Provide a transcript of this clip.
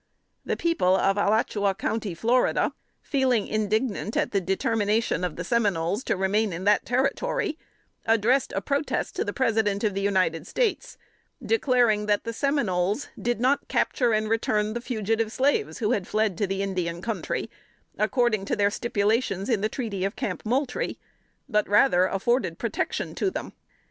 The people of Alachua County, Florida, feeling indignant at the determination of the Seminoles to remain in that Territory, addressed a protest to the President of the United States, declaring that the Seminoles did not capture and return the fugitive slaves who fled to the Indian country, according to their stipulations in the treaty of Camp Moultrie, but rather afforded protection to them.